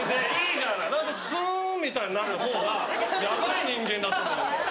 だってスンみたいになる方がヤバい人間だと思う俺。